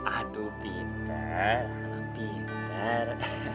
aduh pinter anak pinter